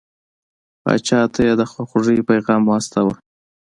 پاچا ته یې د خواخوږی پیغام واستاوه.